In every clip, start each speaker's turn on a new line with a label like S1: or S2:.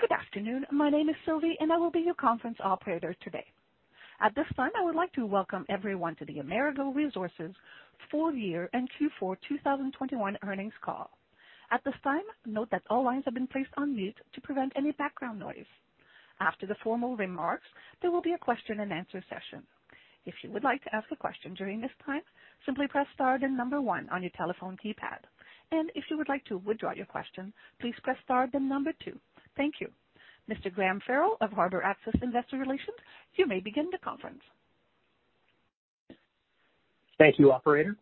S1: Good afternoon. My name is Sylvie, and I will be your conference operator today. At this time, I would like to welcome everyone to the Amerigo Resources Full Year and Q4 2021 Earnings Call. At this time, note that all lines have been placed on mute to prevent any background noise. After the formal remarks, there will be a question and answer session. If you would like to ask a question during this time, simply press star then number one on your telephone keypad. If you would like to withdraw your question, please press star then number two. Thank you. Mr. Graham Farrell of Harbor Access Investor Relations, you may begin the conference.
S2: Thank you, operator.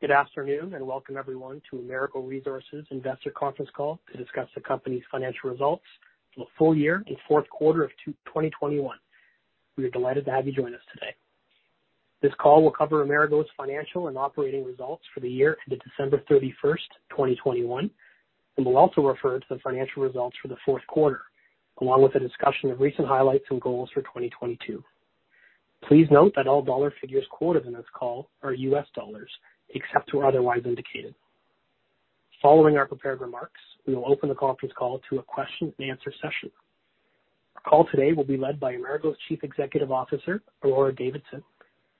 S2: Good afternoon, and welcome everyone to Amerigo Resources Investor Conference Call to discuss the company's financial results for the full year and fourth quarter of 2021. We are delighted to have you join us today. This call will cover Amerigo's financial and operating results for the year ended December 31st, 2021, and will also refer to the financial results for the fourth quarter, along with a discussion of recent highlights and goals for 2022. Please note that all dollar figures quoted in this call are U.S. dollars, except as otherwise indicated. Following our prepared remarks, we will open the conference call to a question and answer session. Our call today will be led by Amerigo's Chief Executive Officer, Aurora Davidson,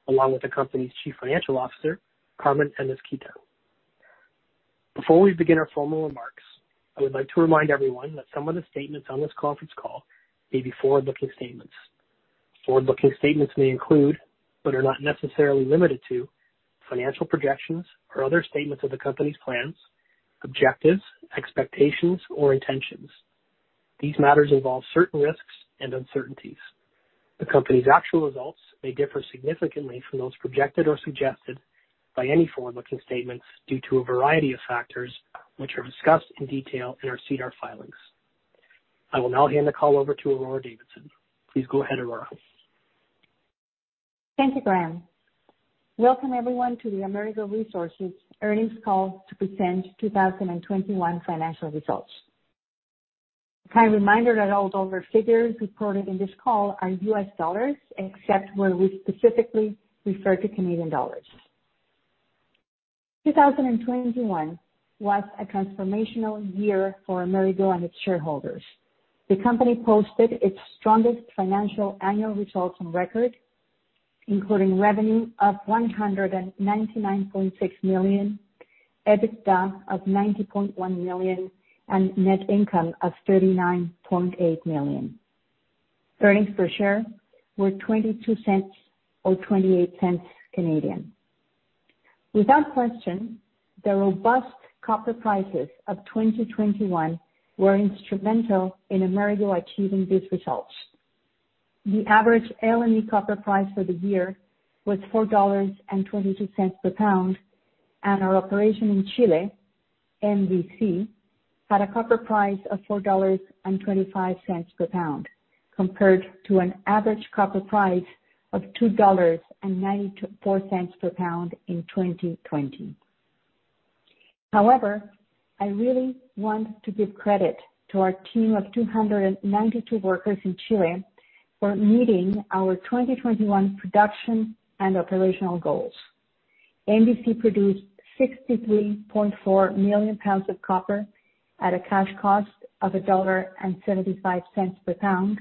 S2: along with the company's Chief Financial Officer, Carmen Amezquita. Before we begin our formal remarks, I would like to remind everyone that some of the statements on this conference call may be forward-looking statements. Forward-looking statements may include, but are not necessarily limited to, financial projections or other statements of the company's plans, objectives, expectations, or intentions. These matters involve certain risks and uncertainties. The company's actual results may differ significantly from those projected or suggested by any forward-looking statements due to a variety of factors, which are discussed in detail in our SEDAR filings. I will now hand the call over to Aurora Davidson. Please go ahead, Aurora.
S3: Thank you, Graham. Welcome everyone to the Amerigo Resources earnings call to present 2021 financial results. A kind reminder that all dollar figures reported in this call are U.S. dollars, except where we specifically refer to Canadian dollars. 2021 was a transformational year for Amerigo and its shareholders. The company posted its strongest financial annual results on record, including revenue of $199.6 million, EBITDA of $90.1 million, and net income of $39.8 million. Earnings per share were $0.22 or 0.28. Without question, the robust copper prices of 2021 were instrumental in Amerigo achieving these results. The average LME Copper price for the year was $4.22 per pound, and our operation in Chile, MVC, had a copper price of $4.25 per pound, compared to an average copper price of $2.94 per pound in 2020. However, I really want to give credit to our team of 292 workers in Chile for meeting our 2021 production and operational goals. MVC produced 63.4 million pounds of copper at a cash cost of $1.75 per pound,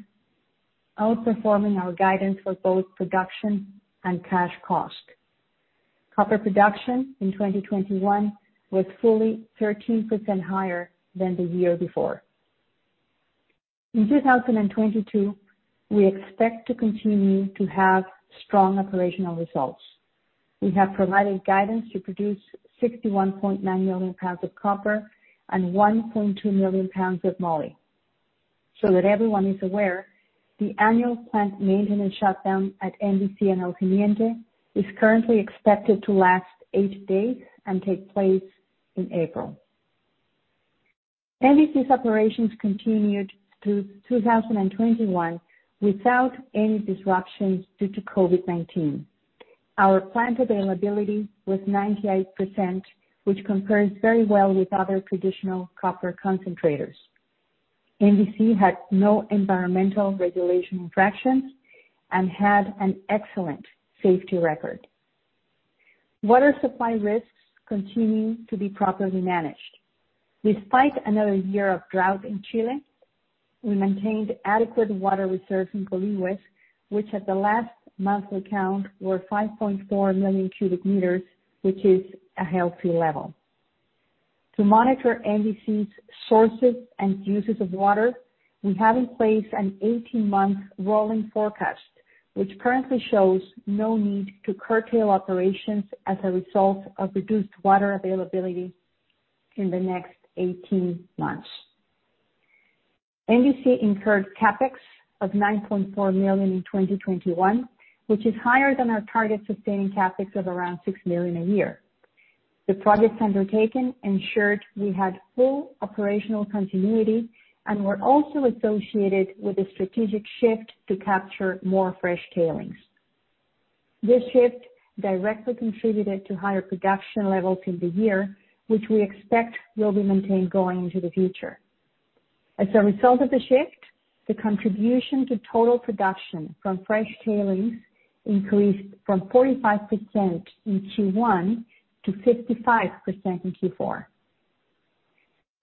S3: outperforming our guidance for both production and cash cost. Copper production in 2021 was 13% higher than the year before. In 2022, we expect to continue to have strong operational results. We have provided guidance to produce 61.9 million pounds of copper and 1.2 million pounds of moly. That everyone is aware, the annual plant maintenance shutdown at MVC in El Teniente is currently expected to last eight days and take place in April. MVC's operations continued through 2021 without any disruptions due to COVID-19. Our plant availability was 98%, which compares very well with other traditional copper concentrators. MVC had no environmental regulation infractions and had an excellent safety record. Water supply risks continue to be properly managed. Despite another year of drought in Chile, we maintained adequate water reserves in Colihue, which at the last monthly count were 5.4 million cubic meters, which is a healthy level. To monitor MVC's sources and uses of water, we have in place an 18-month rolling forecast, which currently shows no need to curtail operations as a result of reduced water availability in the next 18 months. MVC incurred CapEx of $9.4 million in 2021, which is higher than our target sustaining CapEx of around $6 million a year. The projects undertaken ensured we had full operational continuity and were also associated with a strategic shift to capture more fresh tailings. This shift directly contributed to higher production levels in the year, which we expect will be maintained going into the future. As a result of the shift, the contribution to total production from fresh tailings increased from 45% in Q1 to 55% in Q4.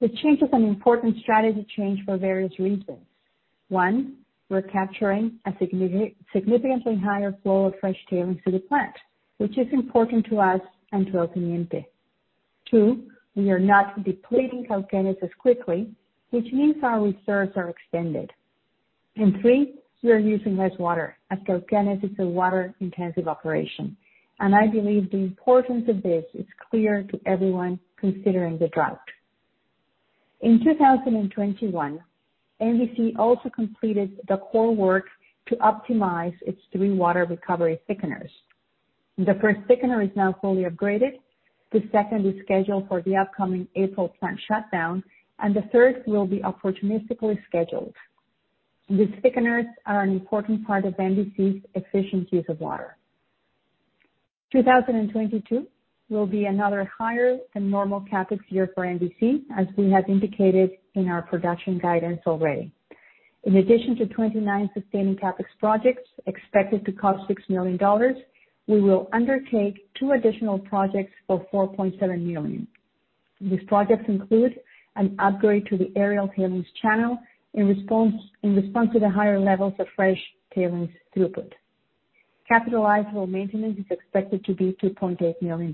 S3: The change is an important strategy change for various reasons. One, we're capturing a significantly higher flow of fresh tailings to the plant, which is important to us and to El Teniente. Two, we are not depleting Cauquenes as quickly, which means our reserves are extended. Three, we are using less water as Cauquenes is a water-intensive operation. I believe the importance of this is clear to everyone considering the drought. In 2021, MVC also completed the core work to optimize its three water recovery thickeners. The first thickener is now fully upgraded, the second is scheduled for the upcoming April plant shutdown, and the third will be opportunistically scheduled. The thickeners are an important part of MVC's efficient use of water. 2022 will be another higher than normal CapEx year for MVC, as we have indicated in our production guidance already. In addition to 29 sustaining CapEx projects expected to cost $6 million, we will undertake two additional projects for $4.7 million. These projects include an upgrade to the aerial tailings channel in response to the higher levels of fresh tailings throughput. Capitalizable maintenance is expected to be $2.8 million.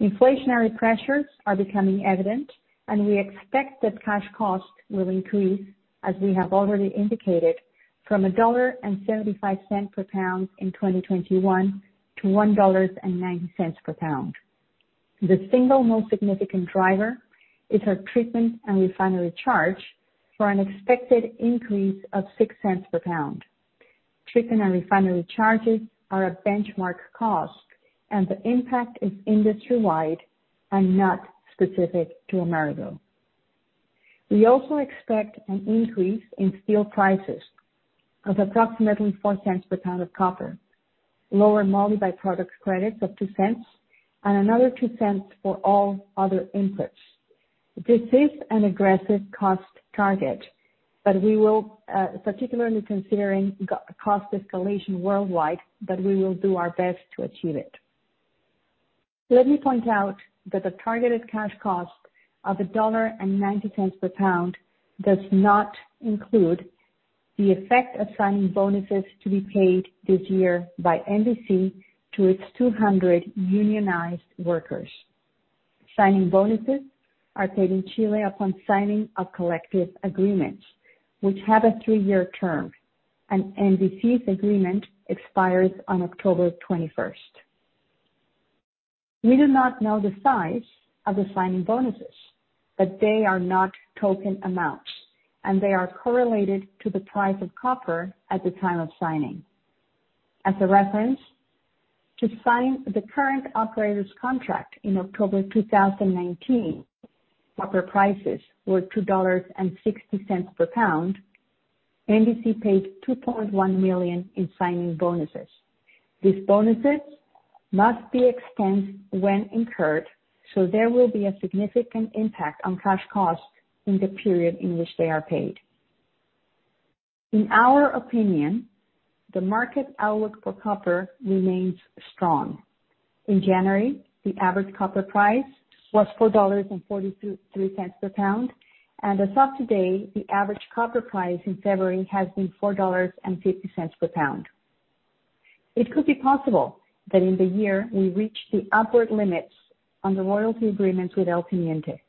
S3: Inflationary pressures are becoming evident, and we expect that cash costs will increase, as we have already indicated, from $1.75 per pound in 2021 to $1.90 per pound. The single most significant driver is our treatment and refining charge for an expected increase of $0.06 per pound. Treatment and refining charges are a benchmark cost and the impact is industry-wide and not specific to Amerigo. We also expect an increase in steel prices of approximately $0.04 per pound of copper, lower moly by-product credits of $0.02, and another $0.02 for all other inputs. This is an aggressive cost target, but we will particularly considering cost escalation worldwide, but we will do our best to achieve it. Let me point out that the targeted cash cost of $1.90 per pound does not include the effect of signing bonuses to be paid this year by MVC to its 200 unionized workers. Signing bonuses are paid in Chile upon signing of collective agreements, which have a three-year term, and MVC's agreement expires on October 21st. We do not know the size of the signing bonuses, but they are not token amounts, and they are correlated to the price of copper at the time of signing. As a reference, to sign the current operator's contract in October 2019, copper prices were $2.60 per pound. NDC paid $2.1 million in signing bonuses. These bonuses must be expensed when incurred, so there will be a significant impact on cash costs in the period in which they are paid. In our opinion, the market outlook for copper remains strong. In January, the average copper price was $4.423 per pound, and as of today, the average copper price in February has been $4.50 per pound. It could be possible that in the year we reach the upward limits on the royalty agreements with El Teniente.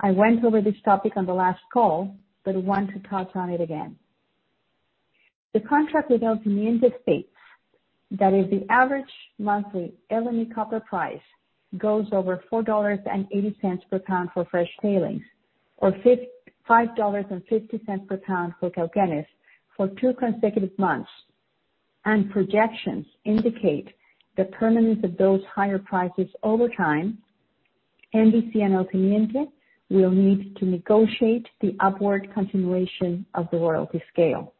S3: I went over this topic on the last call, but want to touch on it again. The contract with El Teniente states that if the average monthly LME Copper price goes over $4.80 per pound for fresh tailings or $5.50 per pound for Cauquenes for two consecutive months and projections indicate the permanence of those higher prices over time, NDC and El Teniente will need to negotiate the upward continuation of the royalty scale.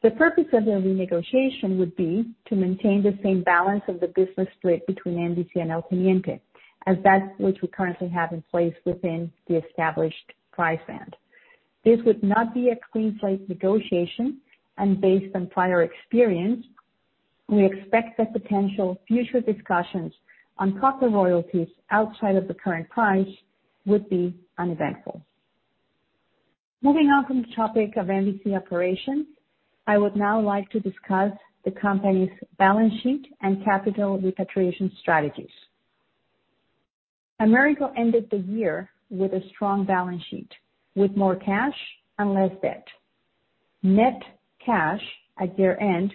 S3: The purpose of the renegotiation would be to maintain the same balance of the business split between NDC and El Teniente as that which we currently have in place within the established price band. This would not be a clean slate negotiation. Based on prior experience, we expect that potential future discussions on copper royalties outside of the current price would be uneventful. Moving on from the topic of MVC operations, I would now like to discuss the company's balance sheet and capital repatriation strategies. Amerigo ended the year with a strong balance sheet with more cash and less debt. Net cash at year-end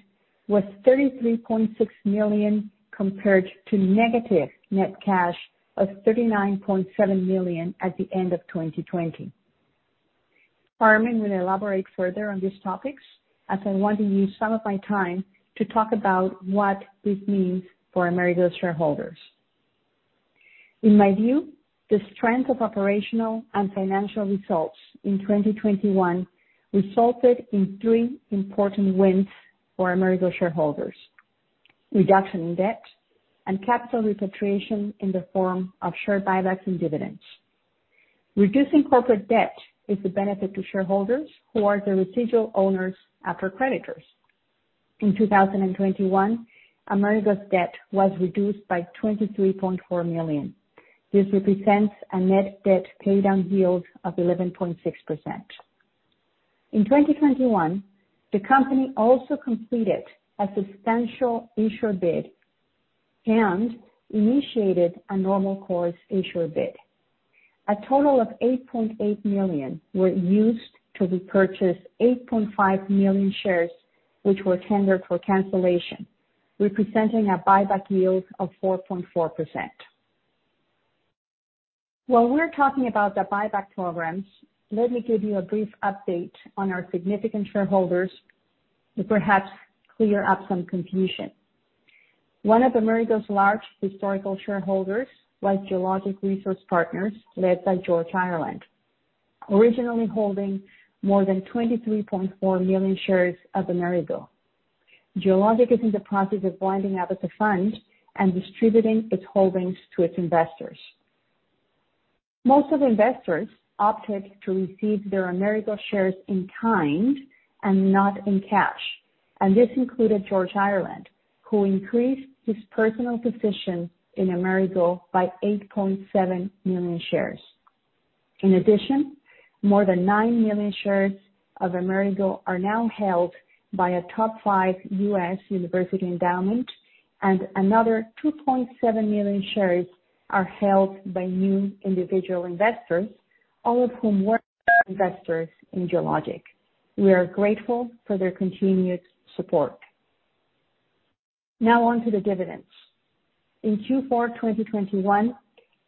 S3: was $33.6 million compared to negative net cash of $39.7 million at the end of 2020. Carmen will elaborate further on these topics, as I want to use some of my time to talk about what this means for Amerigo's shareholders. In my view, the strength of operational and financial results in 2021 resulted in three important wins for Amerigo shareholders. Reduction in debt and capital repatriation in the form of share buybacks and dividends. Reducing corporate debt is the benefit to shareholders who are the residual owners after creditors. In 2021, Amerigo's debt was reduced by $23.4 million. This represents a net debt paydown yield of 11.6%. In 2021, the company also completed a substantial issuer bid and initiated a normal course issuer bid. A total of $8.8 million were used to repurchase 8.5 million shares, which were tendered for cancellation, representing a buyback yield of 4.4%. While we're talking about the buyback programs, let me give you a brief update on our significant shareholders to perhaps clear up some confusion. One of Amerigo's large historical shareholders was Geologic Resource Partners, led by George Ireland. Originally holding more than 23.4 million shares of Amerigo. Geologic is in the process of winding up as a fund and distributing its holdings to its investors. Most of the investors opted to receive their Amerigo shares in kind and not in cash, and this included George Ireland, who increased his personal position in Amerigo by 8.7 million shares. In addition, more than nine million shares of Amerigo are now held by a top five U.S. university endowment, and another 2.7 million shares are held by new individual investors, all of whom were investors in Geologic. We are grateful for their continued support. Now on to the dividends. In Q4 2021,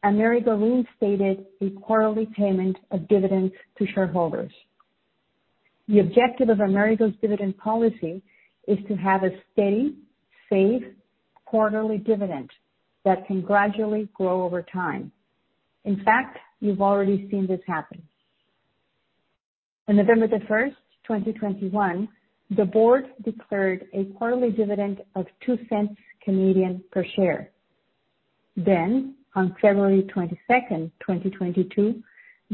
S3: Amerigo reinstated a quarterly payment of dividends to shareholders. The objective of Amerigo's dividend policy is to have a steady, safe quarterly dividend that can gradually grow over time. In fact, you've already seen this happen. On November 1st, 2021, the board declared a quarterly dividend of 0.02 per share. On February 22nd, 2022,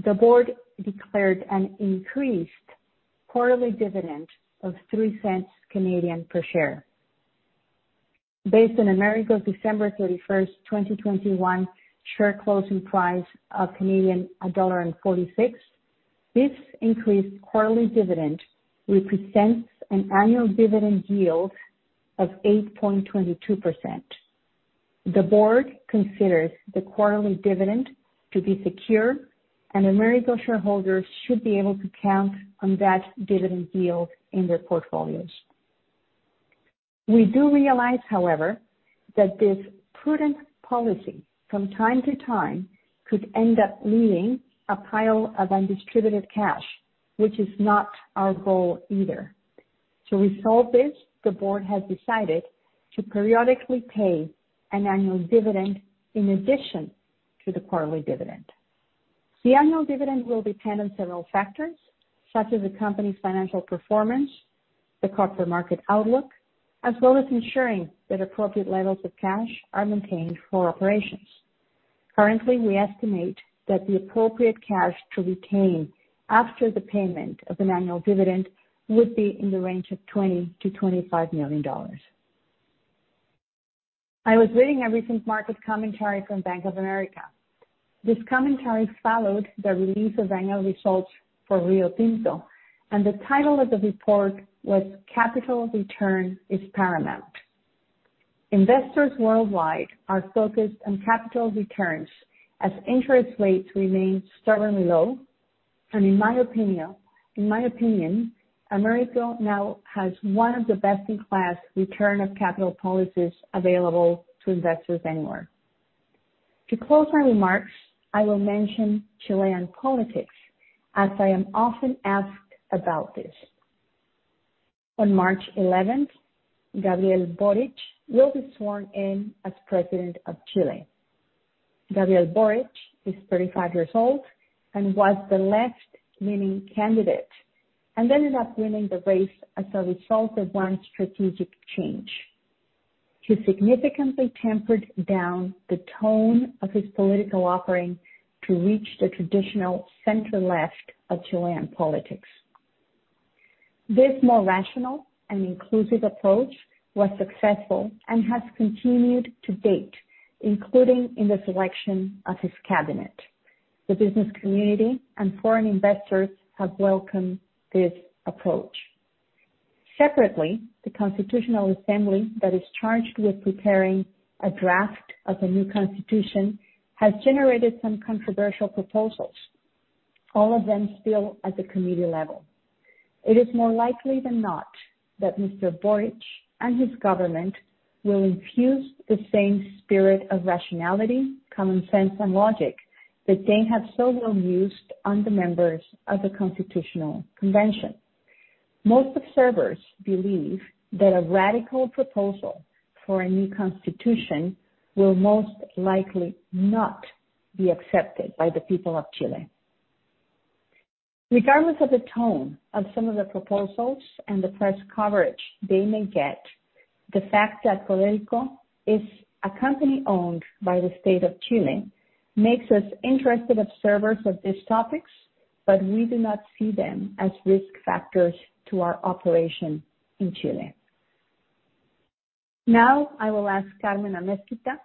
S3: the board declared an increased quarterly dividend of 0.03 per share. Based on Amerigo December 31st, 2021 share closing price of 1.46 Canadian dollars, this increased quarterly dividend represents an annual dividend yield of 8.22%. The board considers the quarterly dividend to be secure, and Amerigo shareholders should be able to count on that dividend yield in their portfolios. We do realize, however, that this prudent policy from time to time could end up leaving a pile of undistributed cash, which is not our goal either. To resolve this, the board has decided to periodically pay an annual dividend in addition to the quarterly dividend. The annual dividend will depend on several factors, such as the company's financial performance, the copper market outlook, as well as ensuring that appropriate levels of cash are maintained for operations. Currently, we estimate that the appropriate cash to retain after the payment of an annual dividend would be in the range of $20 million-$25 million. I was reading a recent market commentary from Bank of America. This commentary followed the release of annual results for Rio Tinto, and the title of the report was Capital Return is Paramount. Investors worldwide are focused on capital returns as interest rates remain stubbornly low. In my opinion, Amerigo now has one of the best-in-class return of capital policies available to investors anywhere. To close my remarks, I will mention Chilean politics, as I am often asked about this. On March 11th, Gabriel Boric will be sworn in as President of Chile. Gabriel Boric is 35 years old and was the left-leaning candidate and ended up winning the race as a result of one strategic change. He significantly tempered down the tone of his political offering to reach the traditional center-left of Chilean politics. This more rational and inclusive approach was successful and has continued to date, including in the selection of his cabinet. The business community and foreign investors have welcomed this approach. Separately, the Constitutional Convention that is charged with preparing a draft of a new constitution has generated some controversial proposals, all of them still at the committee level. It is more likely than not that Mr. Boric and his government will infuse the same spirit of rationality, common sense, and logic that they have so well used on the members of the Constitutional Convention. Most observers believe that a radical proposal for a new constitution will most likely not be accepted by the people of Chile. Regardless of the tone of some of the proposals and the press coverage they may get, the fact that Codelco is a company owned by the State of Chile makes us interested observers of these topics, but we do not see them as risk factors to our operation in Chile. Now I will ask Carmen Amezquita,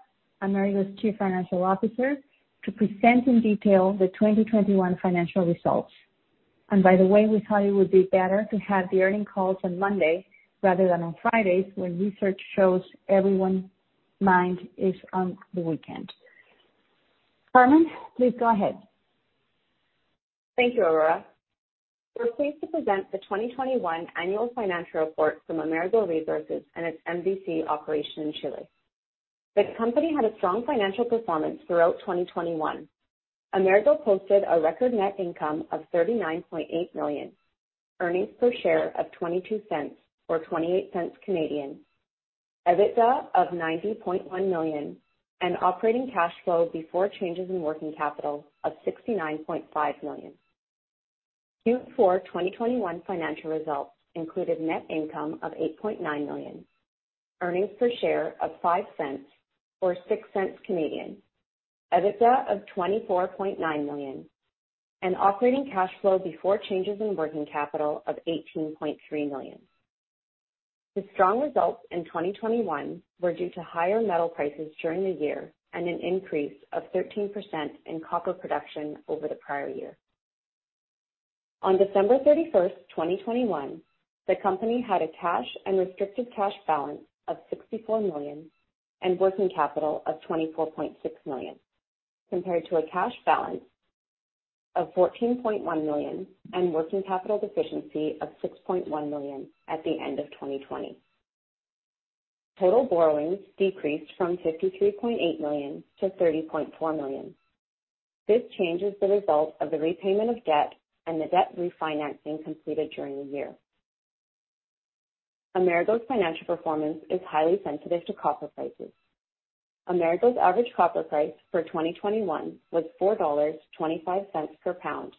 S3: Amerigo's Chief Financial Officer, to present in detail the 2021 financial results. By the way, we thought it would be better to have the earnings calls on Monday rather than on Fridays when research shows everyone's mind is on the weekend. Carmen, please go ahead.
S4: Thank you, Aurora. We're pleased to present the 2021 annual financial report from Amerigo Resources and its MVC operation in Chile. The company had a strong financial performance throughout 2021. Amerigo posted a record net income of $39.8 million, earnings per share of $0.22 or 0.28, EBITDA of $90.1 million, and operating cash flow before changes in working capital of $69.5 million. Q4 2021 financial results included net income of $8.9 million, earnings per share of $0.05 or 0.06, EBITDA of $24.9 million, and operating cash flow before changes in working capital of $18.3 million. The strong results in 2021 were due to higher metal prices during the year and an increase of 13% in copper production over the prior year. On December 31st, 2021, the company had a cash and restricted cash balance of $64 million and working capital of $24.6 million, compared to a cash balance of $14.1 million and working capital deficiency of $6.1 million at the end of 2020. Total borrowings decreased from $53.8 million-$30.4 million. This change is the result of the repayment of debt and the debt refinancing completed during the year. Amerigo's financial performance is highly sensitive to copper prices. Amerigo's average copper price for 2021 was $4.25 per pound,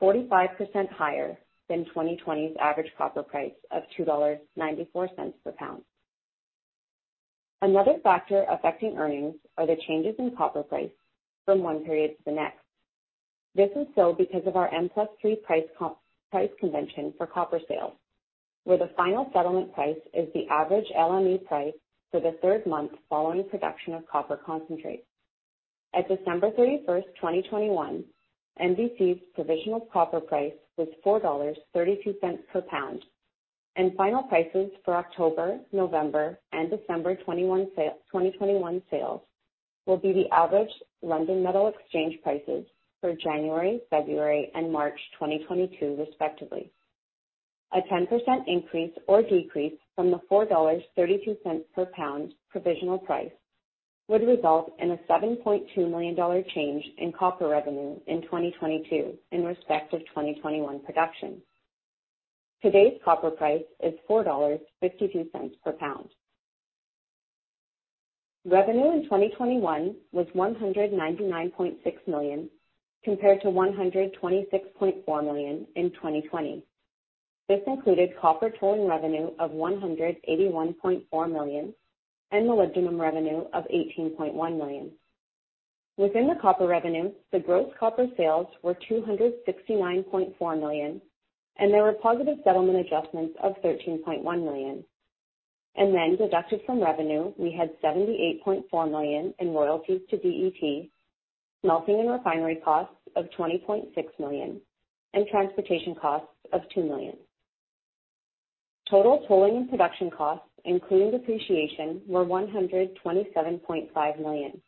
S4: 45% higher than 2020's average copper price of $2.94 per pound. Another factor affecting earnings are the changes in copper price from one period to the next. This is so because of our M+3 price convention for copper sales, where the final settlement price is the average LME price for the third month following production of copper concentrate. At December 31st, 2021, MVC's provisional copper price was $4.32 per pound, and final prices for October, November, and December 2021 sales will be the average London Metal Exchange prices for January, February, and March 2022 respectively. A 10% increase or decrease from the $4.32 per pound provisional price would result in a $7.2 million change in copper revenue in 2022 in respect of 2021 production. Today's copper price is $4.52 per pound. Revenue in 2021 was $199.6 million, compared to $126.4 million in 2020. This included copper tolling revenue of $181.4 million and molybdenum revenue of $18.1 million. Within the copper revenue, the gross copper sales were $269.4 million, and there were positive settlement adjustments of $13.1 million. Deducted from revenue, we had $78.4 million in royalties to DET, smelting and refining costs of $20.6 million, and transportation costs of $2 million. Total tolling and production costs, including depreciation, were $127.5 million.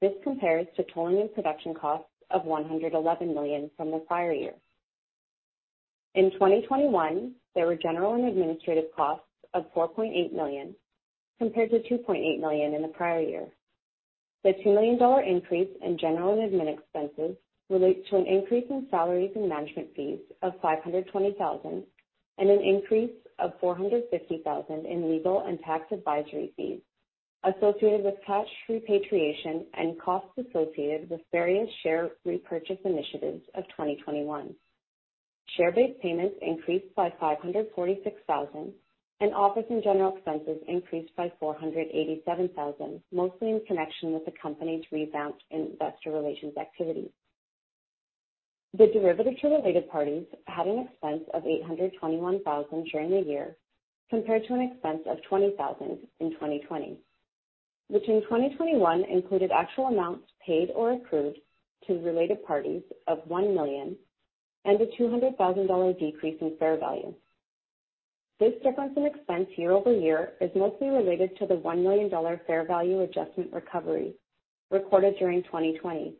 S4: This compares to tolling and production costs of $111 million from the prior year. In 2021, there were general and administrative costs of $4.8 million, compared to $2.8 million in the prior year. The $2 million increase in general and admin expenses relates to an increase in salaries and management fees of $520,000 and an increase of $450,000 in legal and tax advisory fees associated with cash repatriation and costs associated with various share repurchase initiatives of 2021. Share-based payments increased by $546,000, and office and general expenses increased by $487,000, mostly in connection with the company's rebound in investor relations activities. The derivative to related parties had an expense of $821,000 during the year, compared to an expense of $20,000 in 2020, which in 2021 included actual amounts paid or accrued to related parties of $1 million and a $200,000 decrease in fair value. This difference in expense year-over-year is mostly related to the $1 million fair value adjustment recovery recorded during 2020,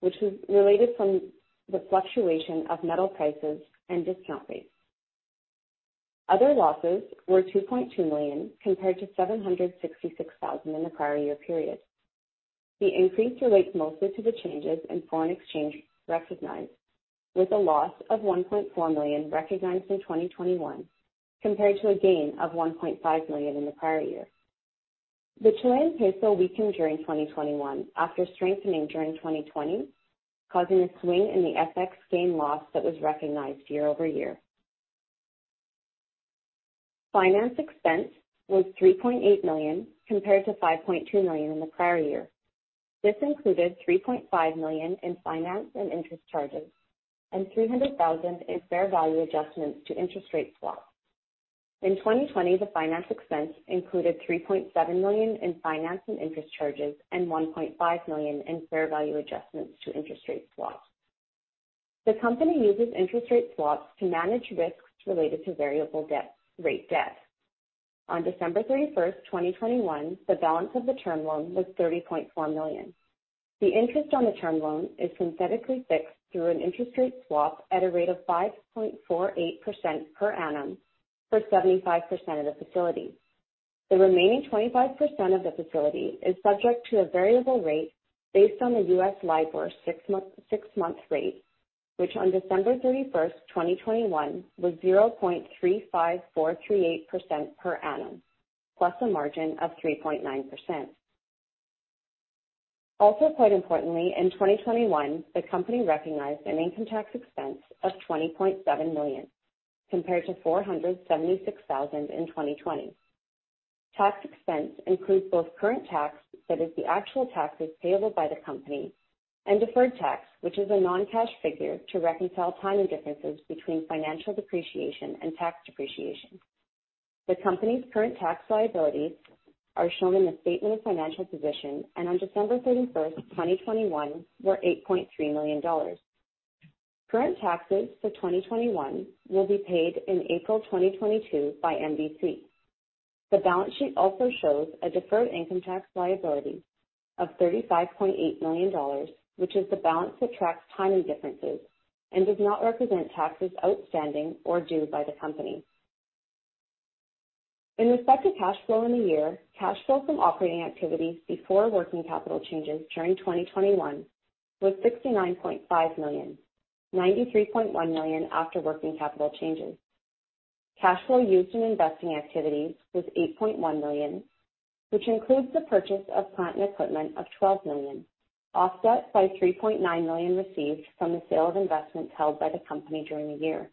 S4: which was related from the fluctuation of metal prices and discount rates. Other losses were $2.2 million, compared to $766,000 in the prior year period. The increase relates mostly to the changes in foreign exchange recognized with a loss of $1.4 million recognized in 2021, compared to a gain of $1.5 million in the prior year. The Chilean peso weakened during 2021 after strengthening during 2020, causing a swing in the FX gain loss that was recognized year-over-year. Finance expense was $3.8 million compared to $5.2 million in the prior year. This included $3.5 million in finance and interest charges and $300,000 in fair value adjustments to interest rate swaps. In 2020, the finance expense included $3.7 million in finance and interest charges and $1.5 million in fair value adjustments to interest rate swaps. The company uses interest rate swaps to manage risks related to variable-rate debt. On December 31st, 2021, the balance of the term loan was $30.4 million. The interest on the term loan is synthetically fixed through an interest rate swap at a rate of 5.48% per annum for 75% of the facility. The remaining 25% of the facility is subject to a variable rate based on the U.S. LIBOR six-month rate, which on December 31st, 2021, was 0.35438% per annum, plus a margin of 3.9%. Quite importantly, in 2021, the company recognized an income tax expense of $20.7 million, compared to $476,000 in 2020. Tax expense includes both current tax, that is the actual taxes payable by the company, and deferred tax, which is a non-cash figure to reconcile timing differences between financial depreciation and tax depreciation. The company's current tax liabilities are shown in the statement of financial position and on December 31st, 2021, were $8.3 million. Current taxes for 2021 will be paid in April 2022 by MVC. The balance sheet also shows a deferred income tax liability of $35.8 million, which is the balance that tracks timing differences and does not represent taxes outstanding or due by the company. In respect to cash flow in the year, cash flow from operating activities before working capital changes during 2021 was $69.5 million, $93.1 million after working capital changes. Cash flow used in investing activities was $8.1 million, which includes the purchase of plant and equipment of $12 million, offset by $3.9 million received from the sale of investments held by the company during the year.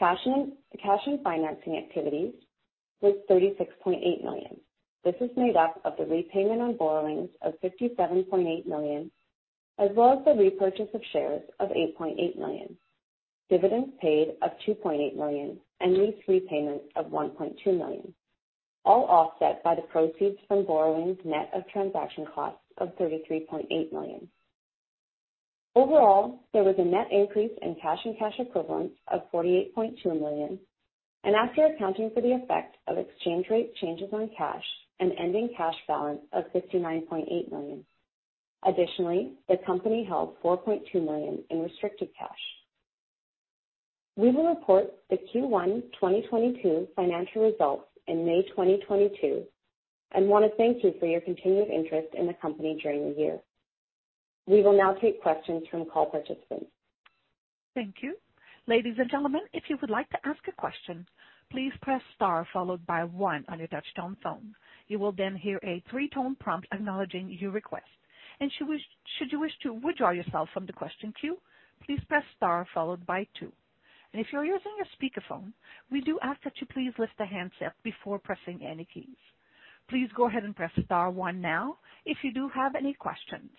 S4: Cash in financing activities was $36.8 million. This is made up of the repayment on borrowings of $57.8 million, as well as the repurchase of shares of $8.8 million, dividends paid of $2.8 million, and lease repayments of $1.2 million, all offset by the proceeds from borrowings net of transaction costs of $33.8 million. Overall, there was a net increase in cash and cash equivalents of $48.2 million and after accounting for the effect of exchange rate changes on cash, an ending cash balance of $59.8 million. Additionally, the company held $4.2 million in restricted cash. We will report the Q1 2022 financial results in May 2022 and wanna thank you for your continued interest in the company during the year. We will now take questions from call participants.
S1: Thank you. Ladies and gentlemen, if you would like to ask a question, please press star followed by one on your touchtone phone. You will then hear a three-tone prompt acknowledging your request. Should you wish to withdraw yourself from the question queue, please press star followed by two. If you're using a speakerphone, we do ask that you please lift the handset before pressing any keys. Please go ahead and press star one now if you do have any questions.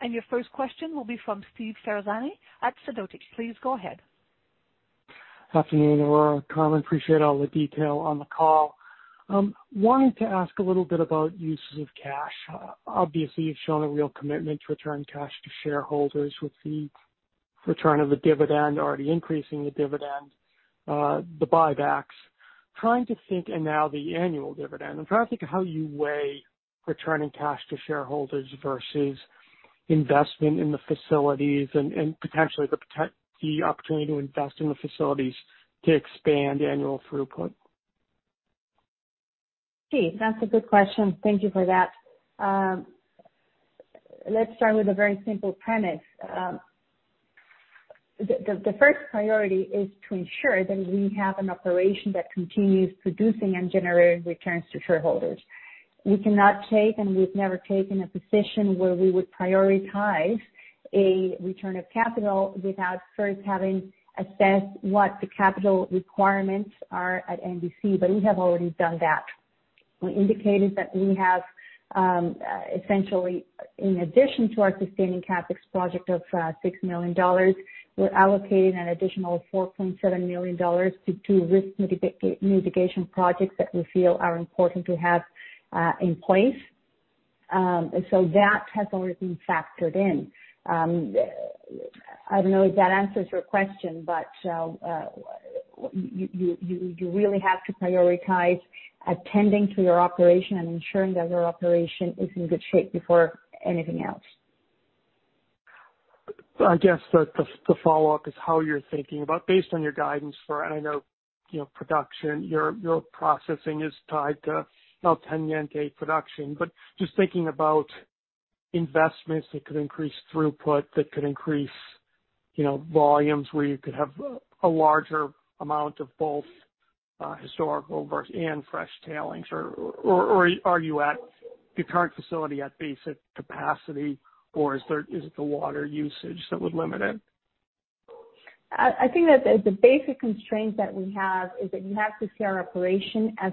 S1: Your first question will be from Steve Ferazani at Sidoti & Company. Please go ahead.
S5: Afternoon, Aurora, Carmen. Appreciate all the detail on the call. Wanted to ask a little bit about uses of cash. Obviously, you've shown a real commitment to return cash to shareholders with the return of the dividend, already increasing the dividend, the buybacks, and now the annual dividend. I'm trying to think of how you weigh returning cash to shareholders versus investment in the facilities and potentially the opportunity to invest in the facilities to expand annual throughput.
S4: Steve, that's a good question. Thank you for that. Let's start with a very simple premise. The first priority is to ensure that we have an operation that continues producing and generating returns to shareholders. We cannot take, and we've never taken a position where we would prioritize a return of capital without first having assessed what the capital requirements are at MVC, but we have already done that. We indicated that we have, essentially, in addition to our sustaining CapEx project of $6 million, we're allocating an additional $4.7 million to risk mitigation projects that we feel are important to have in place. That has already been factored in. I don't know if that answers your question, but you really have to prioritize attending to your operation and ensuring that your operation is in good shape before anything else.
S5: I guess the follow-up is how you're thinking about based on your guidance for, and I know, you know, production, your processing is tied to El Teniente production, but just thinking about investments that could increase throughput, you know, volumes where you could have a larger amount of both historical versus and fresh tailings or are you at your current facility at basic capacity or is it the water usage that would limit it?
S3: I think that the basic constraint that we have is that you have to see our operation as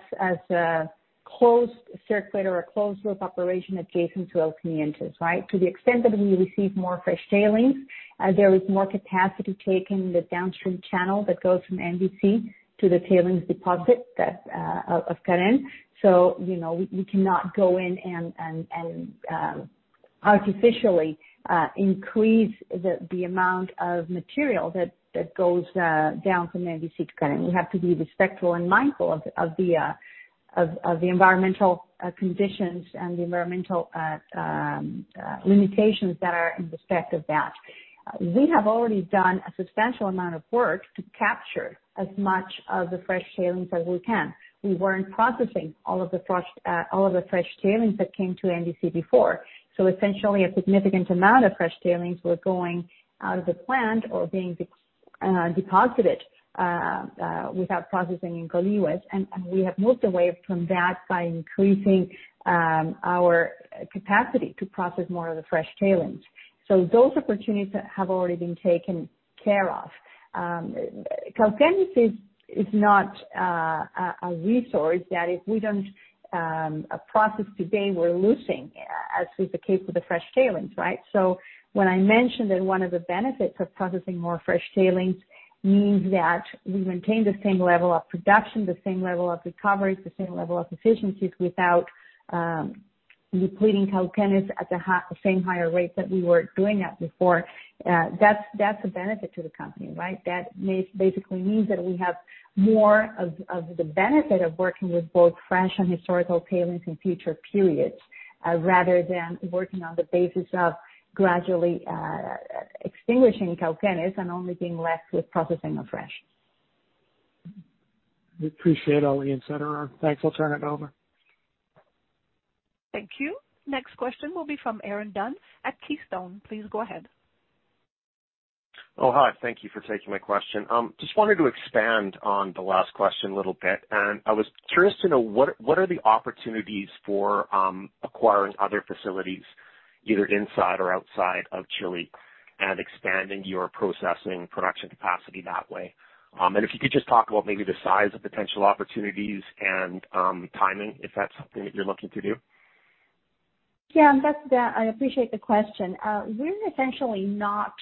S3: a closed circuit or closed loop operation adjacent to El Teniente, right? To the extent that we receive more fresh tailings, there is more capacity to take in the downstream channel that goes from MVC to the tailings deposit of Carén. So, you know, we cannot go in and artificially increase the amount of material that goes down from MVC to Carén. We have to be respectful and mindful of the environmental limitations that are in respect of that. We have already done a substantial amount of work to capture as much of the fresh tailings as we can. We weren't processing all of the fresh tailings that came to MVC before. Essentially a significant amount of fresh tailings were going out of the plant or being deposited without processing in Colihue. We have moved away from that by increasing our capacity to process more of the fresh tailings. Those opportunities have already been taken care of. Cauquenes is not a resource that if we don't process today, we're losing as is the case with the fresh tailings, right? When I mentioned that one of the benefits of processing more fresh tailings means that we maintain the same level of production, the same level of recoveries, the same level of efficiencies without depleting Cauquenes at the same higher rates that we were doing that before, that's a benefit to the company, right? That basically means that we have more of the benefit of working with both fresh and historical tailings in future periods, rather than working on the basis of gradually extinguishing Cauquenes and only being left with processing the fresh.
S5: We appreciate all the insight, Aurora. Thanks. I'll turn it over.
S1: Thank you. Next question will be from Aaron Dunn at Keystone. Please go ahead.
S6: Oh, hi. Thank you for taking my question. Just wanted to expand on the last question a little bit. I was curious to know what are the opportunities for acquiring other facilities either inside or outside of Chile and expanding your processing production capacity that way? If you could just talk about maybe the size of potential opportunities and timing, if that's something that you're looking to do.
S3: Yeah, that's, I appreciate the question. We're essentially not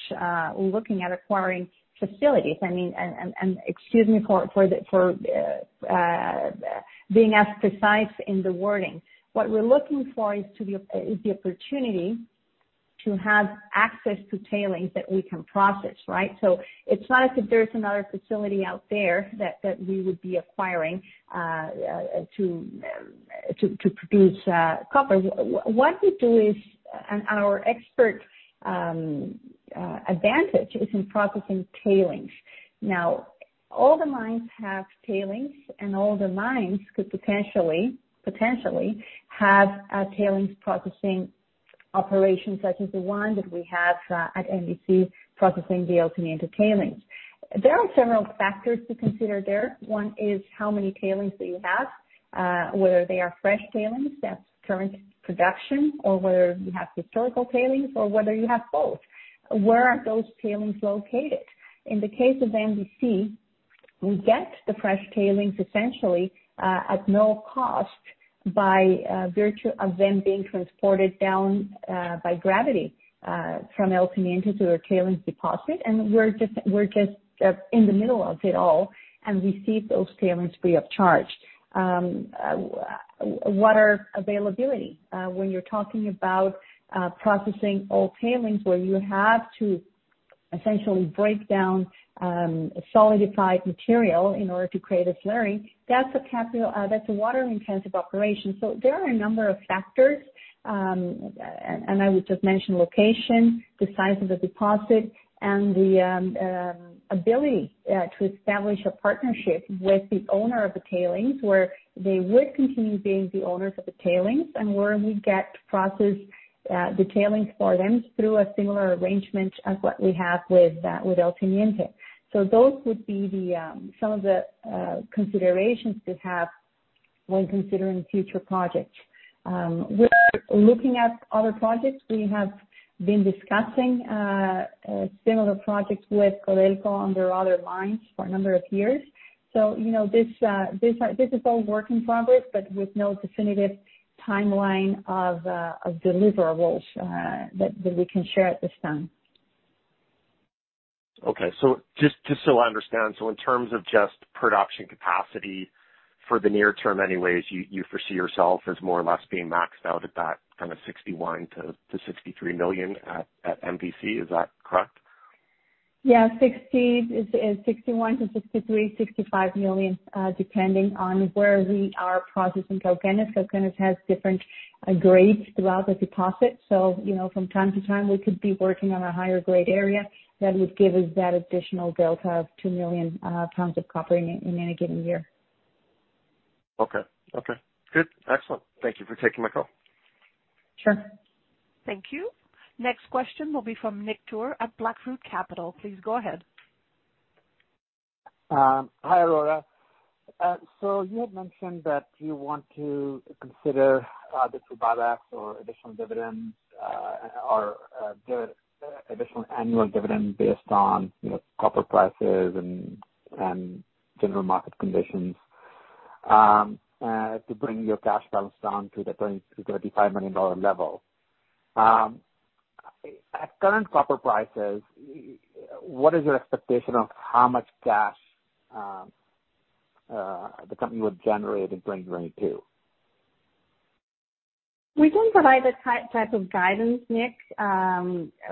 S3: looking at acquiring facilities. I mean, excuse me for being as precise in the wording. What we're looking for is the opportunity to have access to tailings that we can process, right? So it's not as if there's another facility out there that we would be acquiring to produce copper. What we do is, and our expert advantage is in processing tailings. Now, all the mines have tailings, and all the mines could potentially have a tailings processing operation such as the one that we have at MVC processing the El Teniente tailings. There are several factors to consider there. One is how many tailings do you have? Whether they are fresh tailings, that's current production, or whether you have historical tailings or whether you have both. Where are those tailings located? In the case of MVC, we get the fresh tailings essentially at no cost by virtue of them being transported down by gravity from El Teniente to a tailings deposit. We're just in the middle of it all and receive those tailings free of charge. Water availability, when you're talking about processing old tailings where you have to essentially break down solidified material in order to create a slurry, that's a water-intensive operation. There are a number of factors. I would just mention location, the size of the deposit, and the ability to establish a partnership with the owner of the tailings, where they would continue being the owners of the tailings and where we get to process the tailings for them through a similar arrangement as what we have with El Teniente. Those would be some of the considerations to have when considering future projects. We're looking at other projects. We have been discussing similar projects with Codelco under other mines for a number of years. You know, this is all work in progress, but with no definitive timeline of deliverables that we can share at this time.
S6: Okay. Just so I understand. In terms of just production capacity for the near term anyways, you foresee yourself as more or less being maxed out at that kind of 61 million-63 million at MVC. Is that correct?
S3: Yeah. 61 million-63 million, 65 million, depending on where we are processing Cauquenes. Cauquenes has different grades throughout the deposit. You know, from time to time, we could be working on a higher grade area that would give us that additional delta of two million tons of copper in any given year.
S6: Okay. Okay, good. Excellent. Thank you for taking my call.
S3: Sure.
S1: Thank you. Next question will be from Nick Toor at Blackroot Capital. Please go ahead.
S7: Hi, Aurora. You had mentioned that you want to consider the two buybacks or additional dividends or the additional annual dividend based on, you know, copper prices and general market conditions to bring your cash balance down to the $20 million-$35 million level. At current copper prices, what is your expectation of how much cash the company would generate in 2022?
S3: We don't provide a type of guidance, Nick.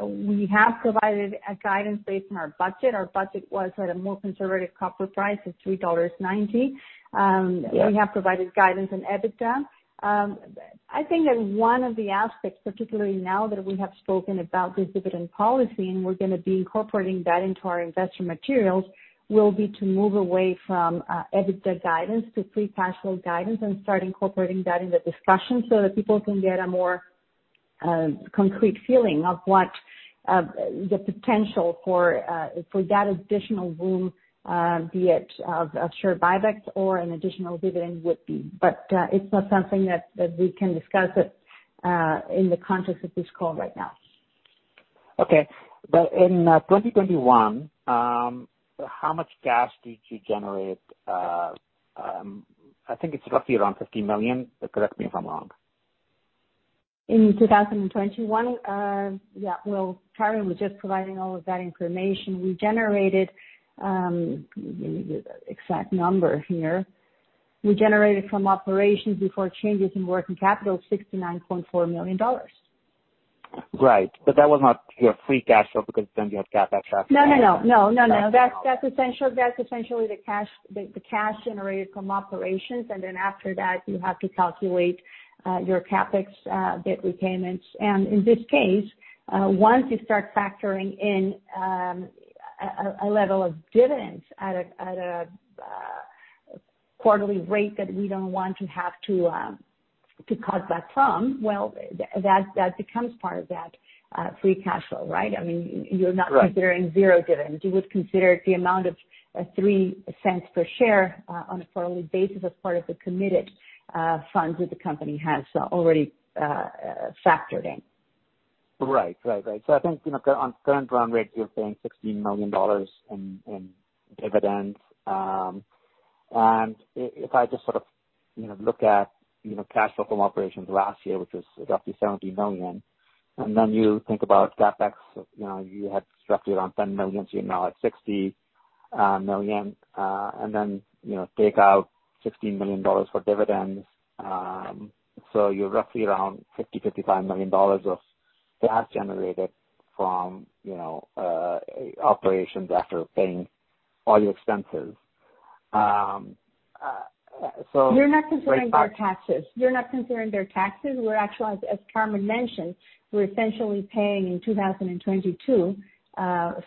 S3: We have provided a guidance based on our budget. Our budget was at a more conservative copper price of $3.90.
S7: Yeah.
S3: We have provided guidance and EBITDA. I think that one of the aspects, particularly now that we have spoken about this dividend policy, and we're gonna be incorporating that into our investor materials, will be to move away from EBITDA guidance to free cash flow guidance and start incorporating that in the discussion so that people can get a more concrete feeling of what the potential for that additional room be it of share buybacks or an additional dividend would be. But it's not something that we can discuss it in the context of this call right now.
S7: Okay. In 2021, how much cash did you generate? I think it's roughly around $50 million, but correct me if I'm wrong.
S3: In 2021, well, Carmen was just providing all of that information. We generated from operations before changes in working capital, $69.4 million.
S7: Right. That was not your free cash flow because then you have CapEx.
S3: No, no. That's essentially the cash generated from operations. After that, you have to calculate your CapEx, debt repayments. In this case, once you start factoring in a level of dividends at a quarterly rate that we don't want to have to cut back from, well, that becomes part of that free cash flow, right? I mean, you're not-
S7: Right.
S3: Considering zero dividends. You would consider the amount of $0.03 per share on a quarterly basis as part of the committed funds that the company has already factored in.
S7: Right. I think, you know, on current run rate, you're paying $16 million in dividends. If I just sort of, you know, look at, you know, cash flow from operations last year, which was roughly $70 million, and then you think about CapEx, you know, you had structured around $10 million, so you're now at $60 million, and then, you know, take out $15 million for dividends. You're roughly around $50 million-$55 million of cash generated from, you know, operations after paying all your expenses.
S3: You're not considering their taxes. We're actually, as Carmen mentioned, we're essentially paying in 2022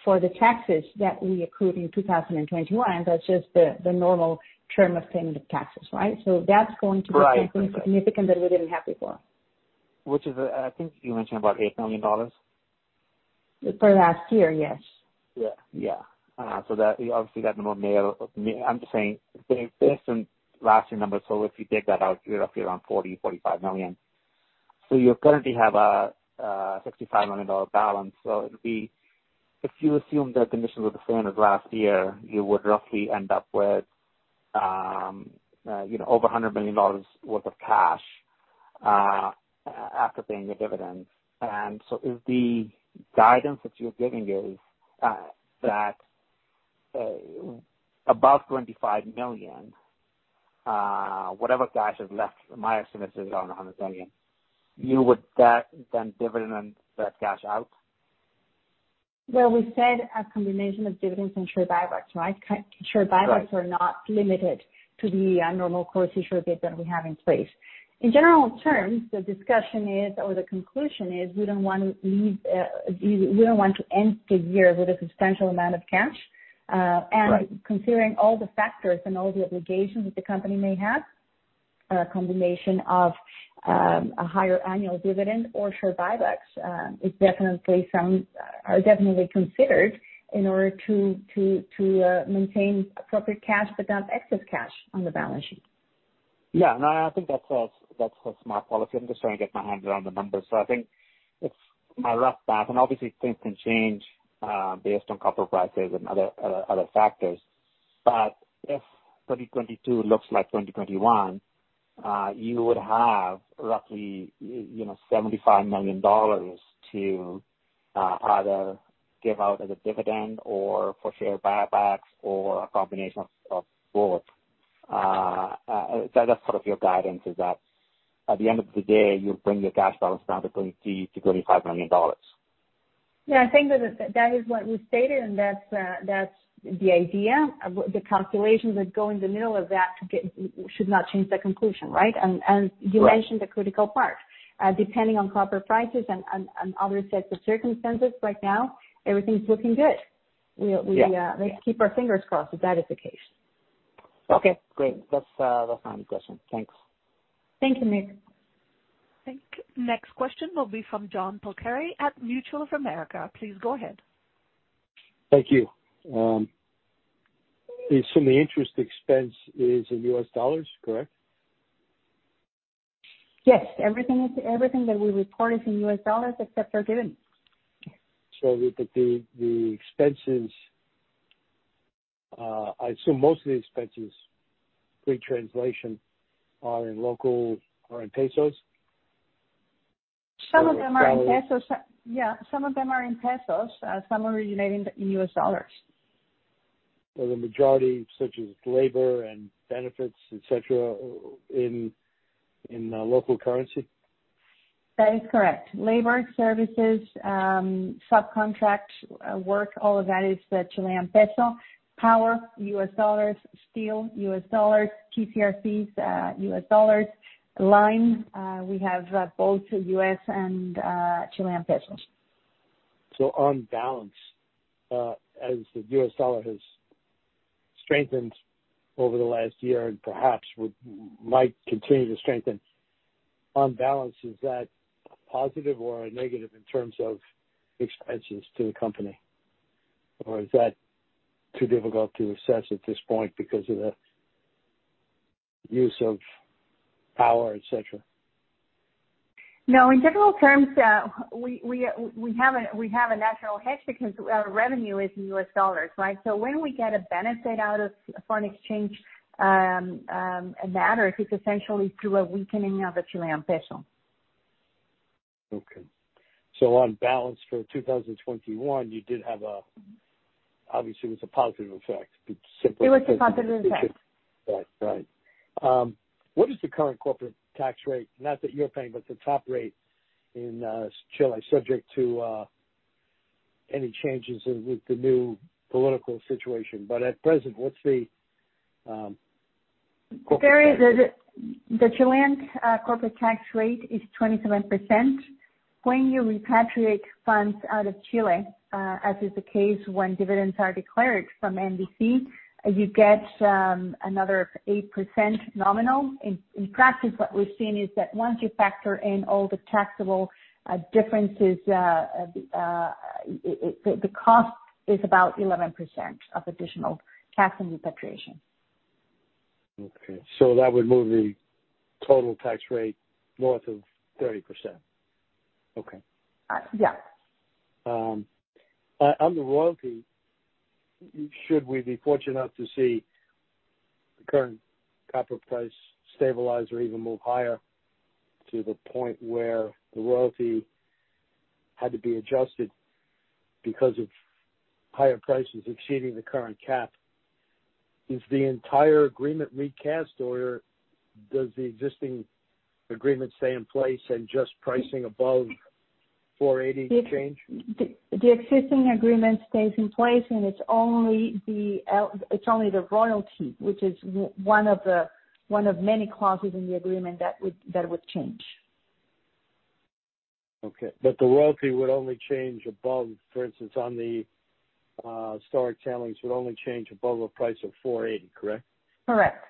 S3: for the taxes that we accrued in 2021. That's just the normal term of paying the taxes, right? That's going to be something significant that we didn't have before.
S7: Which is, I think you mentioned about $8 million.
S3: For last year, yes.
S7: Obviously that number may. I'm just saying based on last year numbers. If you take that out, you're roughly around $40 million-$45 million. You currently have a $65 million balance. If you assume that conditions are the same as last year, you would roughly end up with you know over $100 million worth of cash after paying the dividends. If the guidance that you're giving is that above $25 million whatever cash is left, my estimate is around $100 million, you would then dividend that cash out?
S3: Well, we said a combination of dividends and share buybacks, right?
S7: Right.
S3: Share buybacks are not limited to the normal course issuer bid that we have in place. In general terms, the discussion is or the conclusion is we don't want to end the year with a substantial amount of cash.
S7: Right.
S3: Considering all the factors and all the obligations that the company may have, a combination of a higher annual dividend or share buybacks are definitely considered in order to maintain appropriate cash but not excess cash on the balance sheet.
S7: Yeah. No, I think that's a smart policy. I'm just trying to get my arms around the numbers. I think it's my rough math, and obviously things can change based on copper prices and other factors. If 2022 looks like 2021, you would have roughly, you know, $75 million to either give out as a dividend or for share buybacks or a combination of both. That's sort of your guidance, is that at the end of the day, you'll bring your cash balance down to $20 million-$35 million.
S3: Yeah, I think that is what we stated, and that's the idea. The calculations that go in the middle of that to get should not change the conclusion, right?
S7: Right.
S3: You mentioned the critical part. Depending on copper prices and other sets of circumstances, right now everything's looking good. We keep our fingers crossed if that is the case.
S7: Okay, great. That's my question. Thanks.
S3: Thank you, Nick.
S1: Thank you. Next question will be from John Polcari at Mutual of America. Please go ahead.
S8: Thank you. Assume the interest expense is in U.S. dollars, correct?
S3: Yes. Everything that we report is in U.S. dollars except our dividends.
S8: The expenses, I assume most of the expenses pre-translation are in local or in pesos.
S3: Some of them are in pesos. Yeah, some of them are in pesos, some originate in U.S. dollars.
S8: The majority, such as labor and benefits, et cetera, are in local currency?
S3: That is correct. Labor, services, subcontract work, all of that is the Chilean peso. Power, U.S. dollars. Steel, U.S. dollars. TC/RCs, U.S. dollars. Lime, we have both U.S. and Chilean pesos.
S8: On balance, as the U.S. dollar has strengthened over the last year and perhaps might continue to strengthen, on balance, is that a positive or a negative in terms of expenses to the company? Or is that too difficult to assess at this point because of the use of power, et cetera?
S3: No, in general terms, we have a natural hedge because our revenue is in U.S. dollars, right? When we get a benefit out of foreign exchange, it is essentially through a weakening of the Chilean peso.
S8: Okay. On balance for 2021, you did have a positive effect. Obviously it was a positive effect, to simplify it.
S3: It was a positive effect.
S8: Right. What is the current corporate tax rate? Not that you're paying, but the top rate in Chile, subject to any changes with the new political situation. At present, what's the corporate tax rate?
S3: The Chilean corporate tax rate is 27%. When you repatriate funds out of Chile, as is the case when dividends are declared from MVC, you get another 8% nominal. In practice, what we've seen is that once you factor in all the taxable differences, the cost is about 11% of additional tax on repatriation.
S8: Okay. That would move the total tax rate north of 30%. Okay.
S3: Yeah.
S8: On the royalty, should we be fortunate enough to see the current copper price stabilize or even move higher to the point where the royalty had to be adjusted because of higher prices exceeding the current cap, is the entire agreement recast, or does the existing agreement stay in place and just pricing above $4.80 change?
S3: The existing agreement stays in place, and it's only the royalty, which is one of many clauses in the agreement that would change.
S8: Okay. The royalty would only change above, for instance, on the historic tailings, above a price of $4.80, correct?
S3: Correct.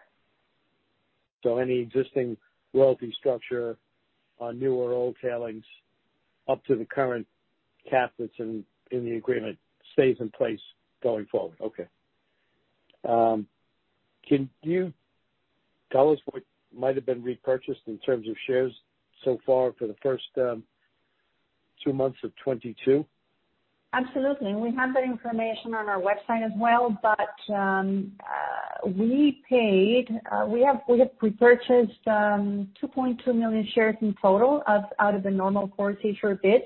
S8: Any existing royalty structure on new or old tailings up to the current cap that's in the agreement stays in place going forward. Okay. Can you tell us what might have been repurchased in terms of shares so far for the first two months of 2022?
S3: Absolutely. We have that information on our website as well. We have repurchased 2.2 million shares in total out of the Normal Course Issuer Bid.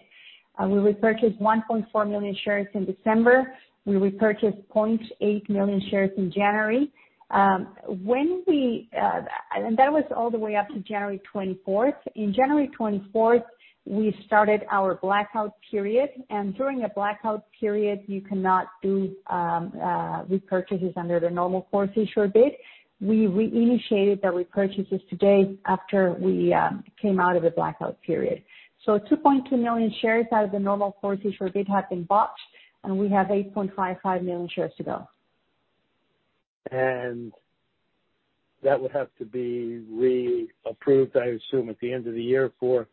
S3: We repurchased 1.4 million shares in December. We repurchased 0.8 million shares in January. That was all the way up to January 24th. On January 24th, we started our blackout period, and during a blackout period you cannot do repurchases under the Normal Course Issuer Bid. We reinitiated the repurchases today after we came out of the blackout period. 2.2 million shares out of the Normal Course Issuer Bid have been bought, and we have 8.55 million shares to go.
S8: That would have to be reapproved, I assume, at the end of the year for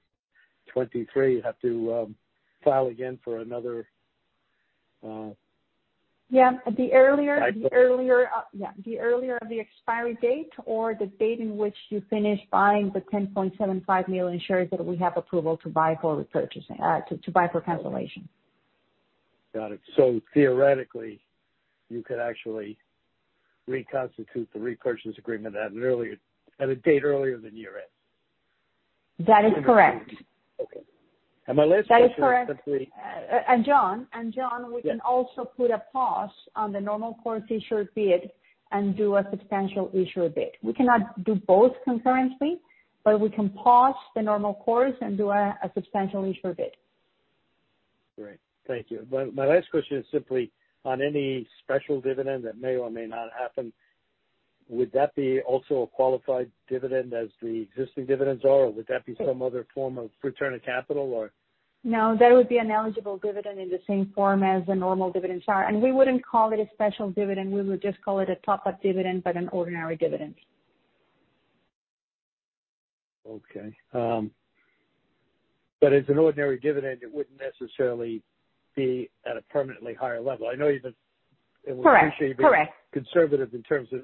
S8: 2023. You have to file again for another,
S3: The earlier of the expiry date or the date in which you finish buying the 10.75 million shares that we have approval to buy for repurchasing, to buy for cancellation.
S8: Got it. Theoretically, you could actually reconstitute the repurchase agreement at a date earlier than year-end?
S3: That is correct.
S8: Okay. My last question.
S3: That is correct. John,
S8: Yes.
S3: We can also put a pause on the normal course issuer bid and do a substantial issuer bid. We cannot do both concurrently, but we can pause the normal course and do a substantial issuer bid.
S8: Great. Thank you. My last question is simply on any special dividend that may or may not happen. Would that be also a qualified dividend as the existing dividends are, or would that be some other form of return of capital or?
S3: No, that would be an eligible dividend in the same form as the normal dividends are. We wouldn't call it a special dividend. We would just call it a top-up dividend, but an ordinary dividend.
S8: As an ordinary dividend, it wouldn't necessarily be at a permanently higher level. I know you've been-
S3: Correct. Correct.
S8: We appreciate you being conservative in terms of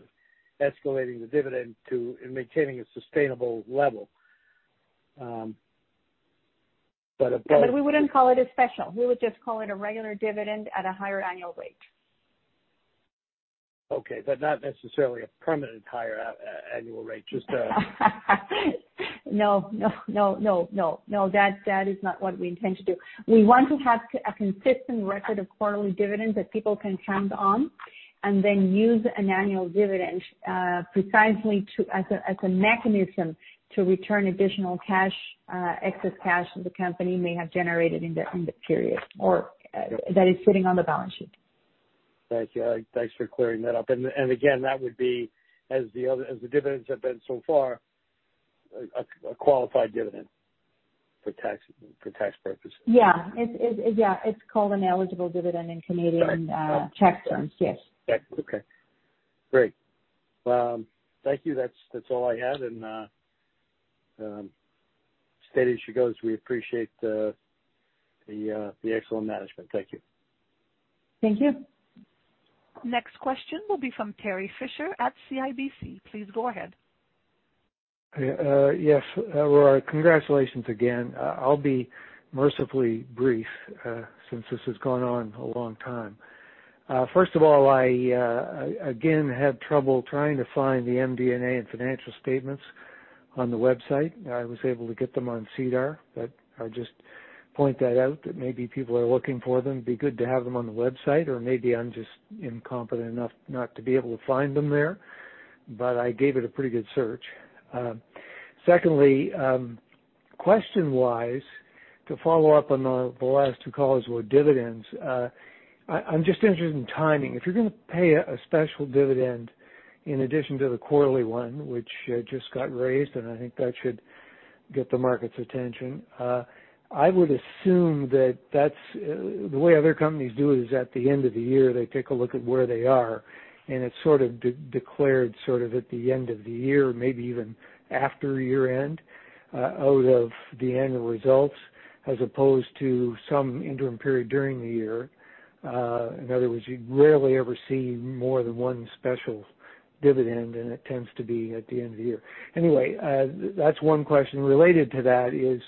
S8: escalating the dividend too and maintaining a sustainable level, but-
S3: We wouldn't call it a special. We would just call it a regular dividend at a higher annual rate.
S8: Okay, not necessarily a permanent higher annual rate, just a.
S3: No, that is not what we intend to do. We want to have a consistent record of quarterly dividends that people can count on and then use an annual dividend precisely as a mechanism to return additional cash, excess cash the company may have generated in the period or that is sitting on the balance sheet.
S8: Thank you. Thanks for clearing that up. Again, that would be as the other, as the dividends have been so far, a qualified dividend for tax purposes.
S3: Yeah. It's called an eligible dividend in Canadian tax terms. Yes.
S8: Okay. Great. Thank you. That's all I had. Steady as she goes. We appreciate the excellent management. Thank you.
S3: Thank you.
S1: Next question will be from Terry Fisher at CIBC. Please go ahead.
S9: Yes. Aurora, congratulations again. I'll be mercifully brief, since this has gone on a long time. First of all, I again had trouble trying to find the MD&A and financial statements on the website. I was able to get them on SEDAR, but I'll just point out that maybe people are looking for them. It'd be good to have them on the website or maybe I'm just incompetent enough not to be able to find them there, but I gave it a pretty good search. Secondly, question-wise to follow up on, the last two calls were dividends. I'm just interested in timing. If you're gonna pay a special dividend in addition to the quarterly one which just got raised, and I think that should get the market's attention, I would assume that that's the way other companies do it is at the end of the year, they take a look at where they are, and it's sort of declared, sort of at the end of the year, maybe even after year-end, out of the annual results as opposed to some interim period during the year. In other words, you rarely ever see more than one special dividend, and it tends to be at the end of the year. Anyway, that's one question. Related to that is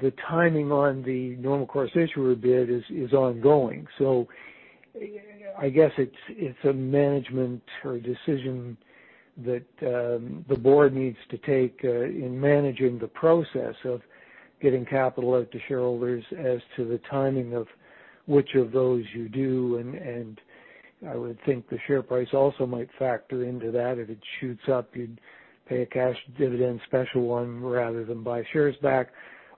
S9: the timing on the normal course issuer bid is ongoing. I guess it's a management decision that the board needs to take in managing the process of getting capital out to shareholders as to the timing of which of those you do. I would think the share price also might factor into that. If it shoots up, you'd pay a special cash dividend rather than buy shares back.